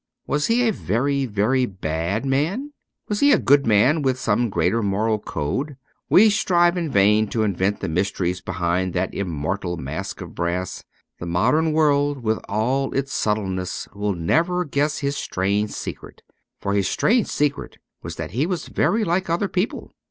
Was he a very, very bad man ? Was he a good man with some greater moral code ? We strive in vain to invent the mysteries behind that immortal mask of brass. The modern world with all its subtleness will never guess his strange secret ; for his strange secret was that he was very like other people.